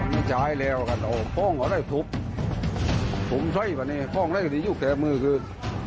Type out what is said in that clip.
ไม่จ่ายแล้วกันอ๋อป้องก็ได้ทุบผมใช่ปะเนี่ยป้องได้ก็ได้ยุคแขมือคือ